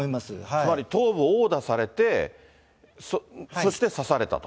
つまり頭部を殴打されて、そして刺されたと。